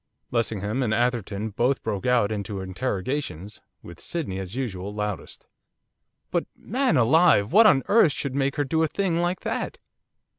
Lessingham and Atherton both broke out into interrogations, with Sydney, as usual, loudest. 'But man alive! what on earth should make her do a thing like that?